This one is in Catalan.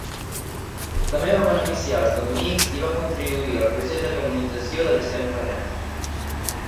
També va beneficiar els dominics i va contribuir al procés de canonització de Vicent Ferrer.